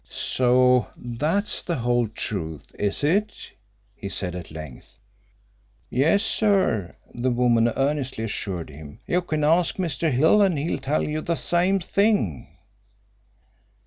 "So that's the whole truth, is it?" he said at length. "Yes, sir," the woman earnestly assured him. "You can ask Mr. Hill and he'll tell you the same thing."